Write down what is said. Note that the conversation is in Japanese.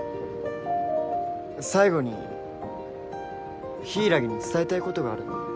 最後に柊に伝えたいことがあるんだ。